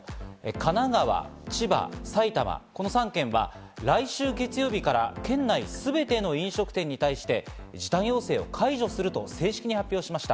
神奈川、千葉、埼玉、この３県は来週月曜日から県内すべての飲食店に対して、時短要請を解除すると正式に発表しました。